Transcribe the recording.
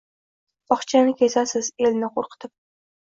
Bog’chani kezasiz, elni qo’rqitib?